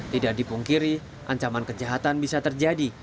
tidak dipungkiri ancaman kejahatan bisa terjadi